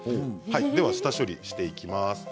では下処理していきます。